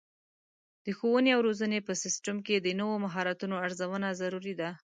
د ښوونې او روزنې په سیستم کې د نوو مهارتونو ارزونه ضروري ده.